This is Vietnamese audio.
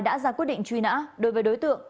đã ra quyết định truy nã đối với đối tượng